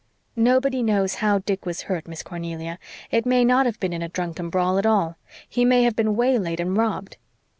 "Nobody knows how Dick was hurt, Miss Cornelia. It may not have been in a drunken brawl at all. He may have been waylaid and robbed."